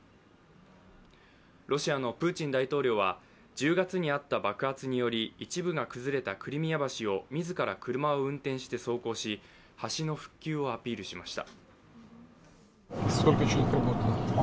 ロシアのプーチン大統領は１０月にあった爆発により一部が崩れたクリミア橋を自ら車を運転して走行し橋の復旧をアピールしました。